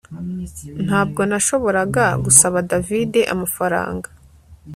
Ntabwo nashoboraga gusaba David amafaranga